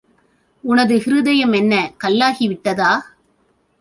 உனது ஹிருதயமென்ன கல்லாகி விட்டதா?